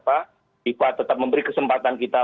fifa tetap memberi kesempatan kita